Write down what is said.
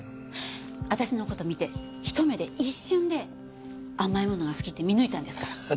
私の事見てひと目で一瞬で甘いものが好きって見抜いたんですから。